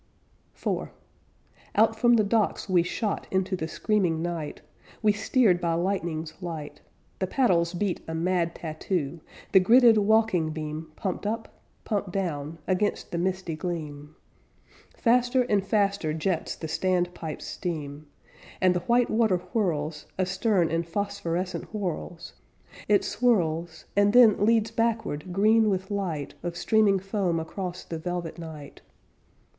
IV Out from the docks we shot Into the screaming night; We steered by lightning's light; The paddles beat a mad tattoo; The gridded walking beam Pumped up, pumped down, Against the misty gleam; Faster and faster jets the stand pipes' steam. And the white water whirls Astern in phosphorescent whorls It swirls And then leads backward green with light Of streaming foam across the velvet night.